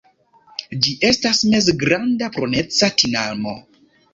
Ĝi estas mezgranda bruneca tinamo.